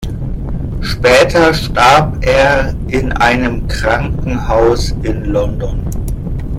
Später starb er in einem Krankenhaus in London.